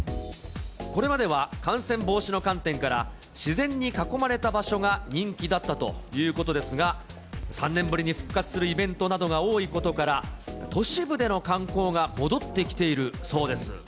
これまでは感染防止の観点から、自然に囲まれた場所が人気だったということですが、３年ぶりに復活するイベントなどが多いことから、都市部での観光が戻ってきているそうです。